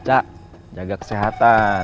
eca jaga kesehatan